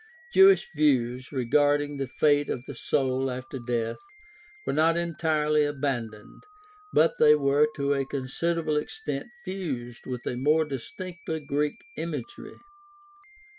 Jewish views regarding the fate of the soul after death were not entirely abandoned, but they were to a considerable extent fused with a more distinctly Greek imagery.